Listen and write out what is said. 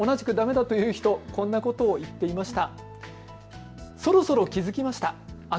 同じくだめだという人、こんなことを言っていました。